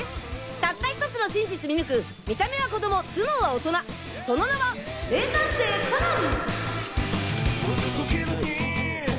たった１つの真実見抜く見た目は子供頭脳は大人その名は名探偵コナン！